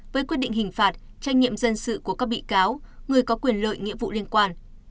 với quyết định hình phạt trách nhiệm dân sự của các bị cáo người có quyền lợi nghĩa vụ liên quan